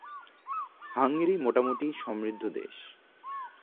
Hungary মোটামুটি সমৃদ্ধ দেশ।